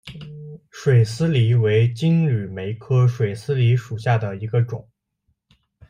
水丝梨为金缕梅科水丝梨属下的一个种。